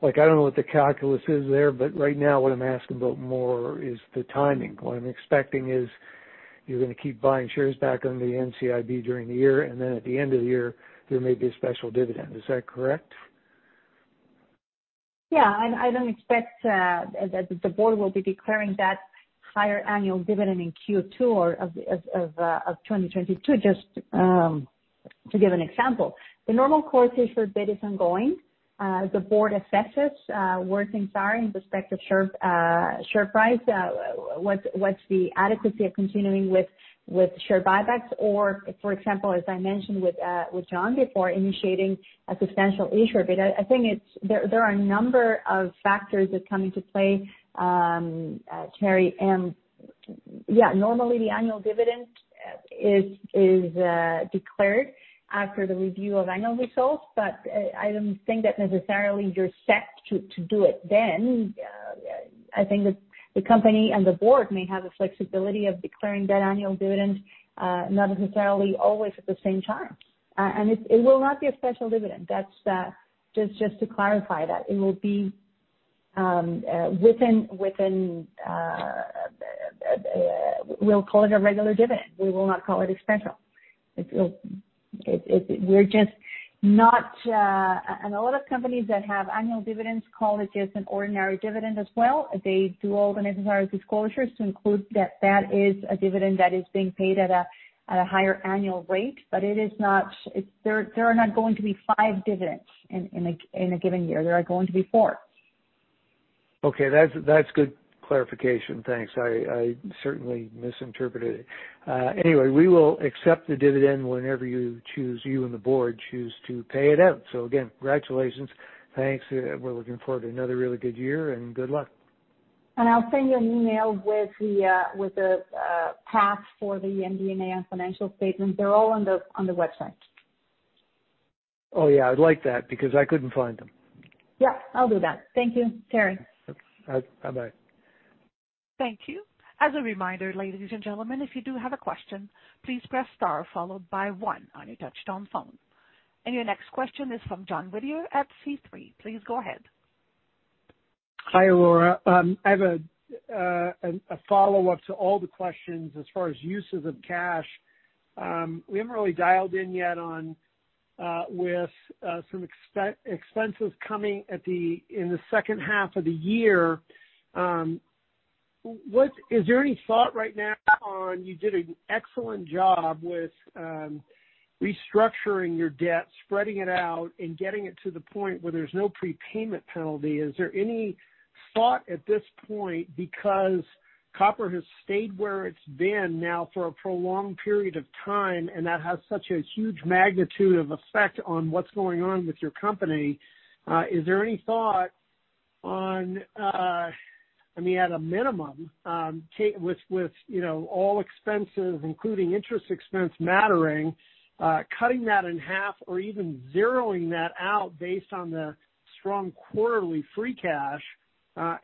S9: Like, I don't know what the calculus is there, but right now what I'm asking about more is the timing. What I'm expecting is you're gonna keep buying shares back under the NCIB during the year, and then at the end of the year, there may be a special dividend. Is that correct?
S3: Yeah. I don't expect that the board will be declaring that higher annual dividend in Q2 of 2022, just to give an example. The normal course issuer bid is ongoing. The board assesses where things are in respect of share price, what's the adequacy of continuing with share buybacks or for example, as I mentioned with John before, initiating a substantial issuer bid. I think there are a number of factors that come into play, Terry. Yeah, normally the annual dividend is declared after the review of annual results. I don't think that necessarily you're set to do it then. I think the company and the board may have the flexibility of declaring that annual dividend not necessarily always at the same time. It will not be a special dividend. That's just to clarify that. It will be what we'll call a regular dividend. We will not call it a special. We're just not. A lot of companies that have annual dividends call it just an ordinary dividend as well. They do all the necessary disclosures to include that that is a dividend that is being paid at a higher annual rate, but it is not. There are not going to be five dividends in a given year. There are going to be four.
S9: Okay. That's good clarification. Thanks. I certainly misinterpreted it. Anyway, we will accept the dividend whenever you and the board choose to pay it out. Again, congratulations. Thanks. We're looking forward to another really good year, and good luck.
S3: I'll send you an email with the paths for the MD&A and financial statements. They're all on the website.
S9: Oh, yeah, I'd like that because I couldn't find them.
S3: Yeah, I'll do that. Thank you, Terry.
S9: Okay. Bye-bye.
S1: Thank you. As a reminder, ladies and gentlemen, if you do have a question, please press star followed by one on your touch-tone phone. Your next question is from John Whittier at C3. Please go ahead.
S10: Hi, Aurora. I have a follow-up to all the questions as far as uses of cash. We haven't really dialed in yet on, with some expenses coming in the second half of the year. Is there any thought right now on. You did an excellent job with restructuring your debt, spreading it out and getting it to the point where there's no prepayment penalty. Is there any thought at this point because copper has stayed where it's been now for a prolonged period of time, and that has such a huge magnitude of effect on what's going on with your company? Is there any thought on, I mean, at a minimum, with, you know, all expenses, including interest expense mattering, cutting that in half or even zeroing that out based on the strong quarterly free cash?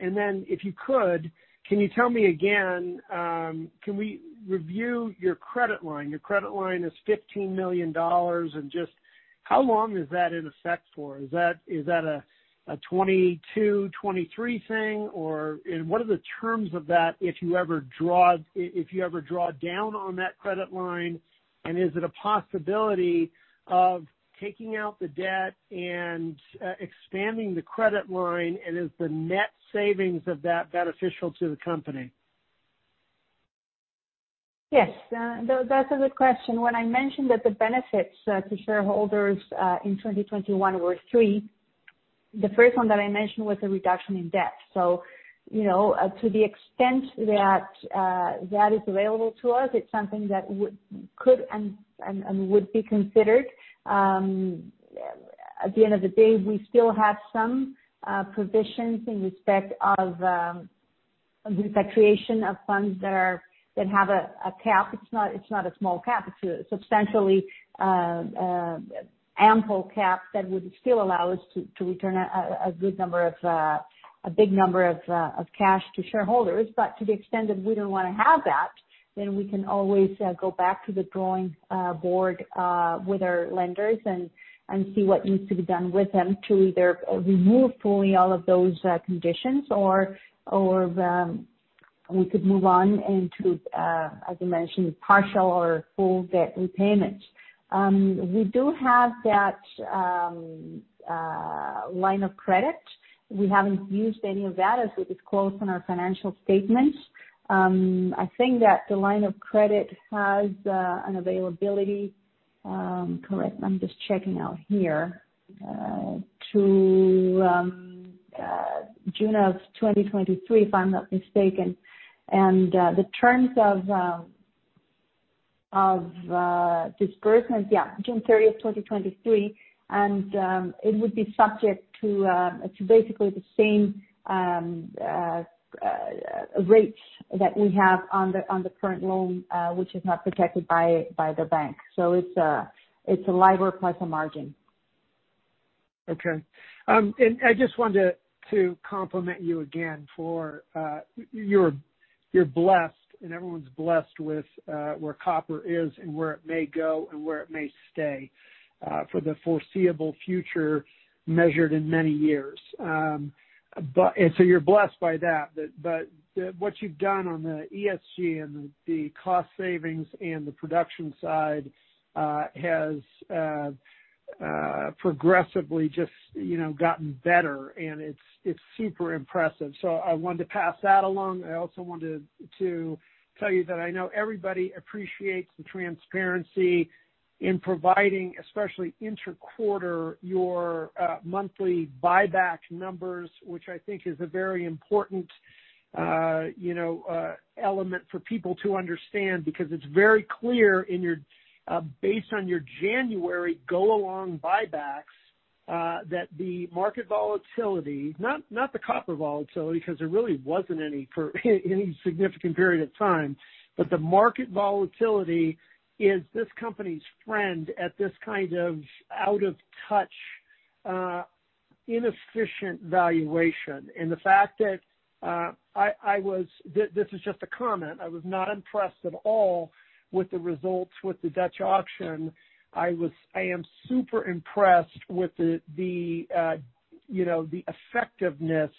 S10: If you could, can you tell me again, can we review your credit line? Your credit line is $15 million. Just how long is that in effect for? Is that a 2022, 2023 thing or What are the terms of that if you ever draw down on that credit line, and is it a possibility of taking out the debt and expanding the credit line, and is the net savings of that beneficial to the company?
S3: Yes. That's a good question. When I mentioned that the benefits to shareholders in 2021 were three, the first one that I mentioned was a reduction in debt. You know, to the extent that is available to us, it's something that would be considered. At the end of the day, we still have some provisions in respect of the repatriation of funds that have a cap. It's not a small cap. It's a substantially ample cap that would still allow us to return a good number of a big number of cash to shareholders. To the extent that we don't wanna have that, then we can always go back to the drawing board with our lenders and see what needs to be done with them to either remove fully all of those conditions or we could move on into, as you mentioned, partial or full debt repayments. We do have that line of credit. We haven't used any of that as we disclosed on our financial statements. I think that the line of credit has an availability, correct, I'm just checking out here, to June 2023, if I'm not mistaken. The terms of disbursement, yeah, June 30, 2023. It would be subject to basically the same rates that we have on the current loan, which is not protected by the bank. It's a LIBOR plus a margin.
S10: Okay. I just wanted to compliment you again for you're blessed and everyone's blessed with where copper is and where it may go and where it may stay for the foreseeable future, measured in many years. You're blessed by that. What you've done on the ESG and the cost savings and the production side has progressively just gotten better, and it's super impressive. I wanted to pass that along. I also wanted to tell you that I know everybody appreciates the transparency in providing, especially inter-quarter, your monthly buyback numbers, which I think is a very important, you know, element for people to understand. Because it's very clear based on your January ongoing buybacks that the market volatility, not the copper volatility, because there really wasn't any for any significant period of time, but the market volatility is this company's friend at this kind of out of touch, inefficient valuation. The fact that this is just a comment. I was not impressed at all with the results of the dutch auction. I am super impressed with, you know, the effectiveness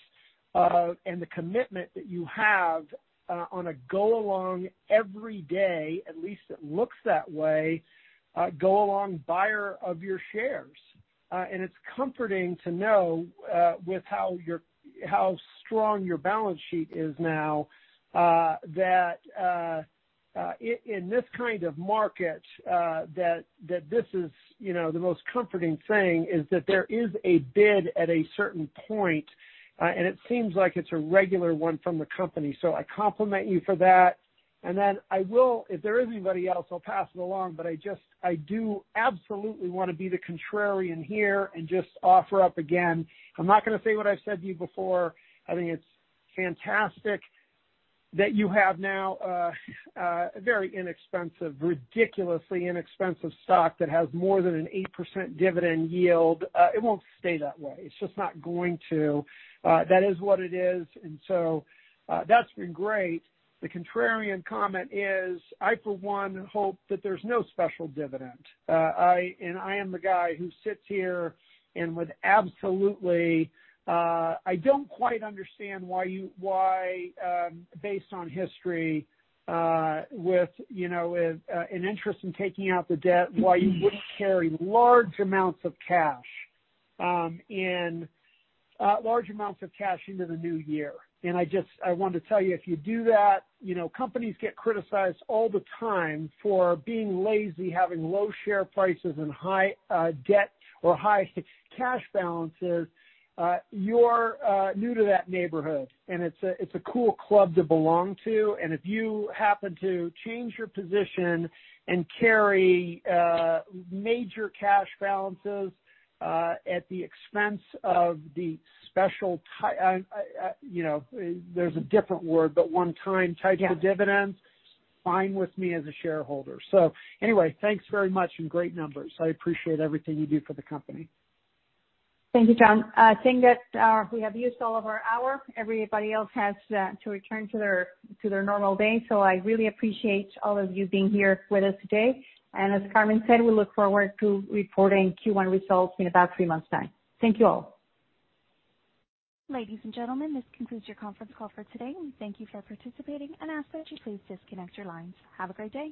S10: and the commitment that you have on an ongoing every day, at least it looks that way, ongoing buyer of your shares. It's comforting to know, with how strong your balance sheet is now, that in this kind of market, that this is, you know, the most comforting thing is that there is a bid at a certain point, and it seems like it's a regular one from the company. I compliment you for that. I will, if there is anybody else, I'll pass it along, but I just, I do absolutely wanna be the contrarian here and just offer up again. I'm not gonna say what I've said to you before. I think it's fantastic that you have now very inexpensive, ridiculously inexpensive stock that has more than an 8% dividend yield. It won't stay that way. It's just not going to. That is what it is. That's been great. The contrarian comment is, I for one hope that there's no special dividend. I am the guy who sits here and I don't quite understand why, based on history, with you know, an interest in taking out the debt, why you wouldn't carry large amounts of cash into the new year. I wanted to tell you, if you do that, you know, companies get criticized all the time for being lazy, having low share prices and high debt or high cash balances. You're new to that neighborhood, and it's a cool club to belong to. If you happen to change your position and carry major cash balances at the expense of, you know, there's a different word, but one time type of dividends.
S3: Yeah.
S10: Fine with me as a shareholder. Anyway, thanks very much and great numbers. I appreciate everything you do for the company.
S3: Thank you, John. I think that we have used all of our hour. Everybody else has to return to their normal day. I really appreciate all of you being here with us today. As Carmen said, we look forward to reporting Q1 results in about three months' time. Thank you all.
S1: Ladies and gentlemen, this concludes your conference call for today. We thank you for participating and ask that you please disconnect your lines. Have a great day.